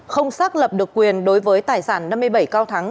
không xác lập được quyền đối với tài sản năm mươi bảy cao thắng